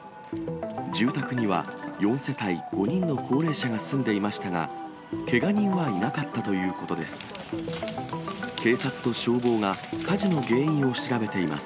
住宅には４世帯５人の高齢者が住んでいましたが、けが人はいなかったということです。